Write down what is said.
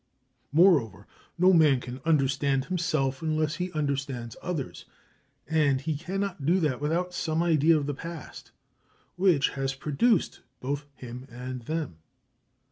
Moreover, no man can understand himself unless he understands others; and he cannot do that without some idea of the past, which has produced both him and them.